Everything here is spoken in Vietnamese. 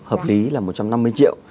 hợp lý là một trăm năm mươi triệu